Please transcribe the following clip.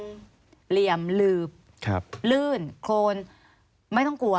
สวัสดีค่ะที่จอมฝันครับ